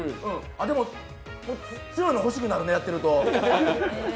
あ、でも強いのが欲しくなるね、やってると。